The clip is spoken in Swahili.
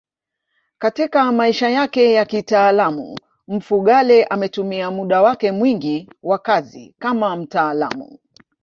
Katika maisha yake ya kitaaluma Mfugale ametumia muda wake mwingi wa kazi kama mtaalamu